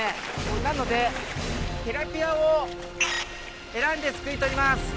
なのでティラピアを選んですくい取ります。